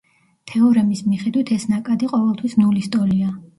თეორემის მიხედვით ეს ნაკადი ყოველთვის ნულის ტოლია.